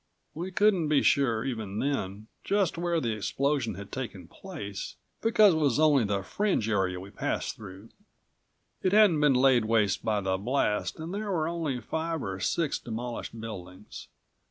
We couldn't be sure, even then, just where the explosion had taken place, because it was only the fringe area we passed through. It hadn't been laid waste by the blast and there were only five or six demolished buildings.